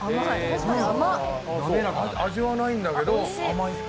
味はないんだけど、甘い。